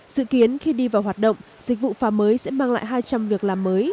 dự kiến khi đi vào hoạt động dịch vụ phà mới sẽ mang lại hai trăm linh việc làm mới